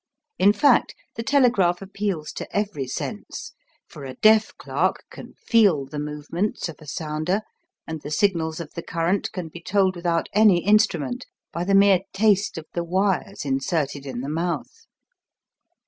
In fact, the telegraph appeals to every sense, for a deaf clerk can feel the movements of a sounder, and the signals of the current can be told without any instrument by the mere taste of the wires inserted in the mouth.